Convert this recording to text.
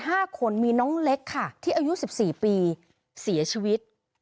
เหตุการณ์นี้๑ในกลุ่มเยาวชน๕คนมีน้องเล็กค่ะที่อายุ๑๔ปีเสียชีวิต